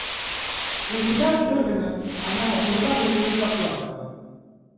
Увидав Левина, она обняла его и заплакала.